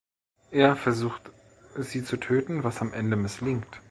Er versucht, sie zu töten, was am Ende misslingt.